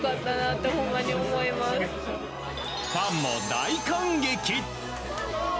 ファンも大感激！